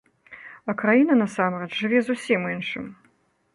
А краіна, насамрэч, жыве зусім іншым.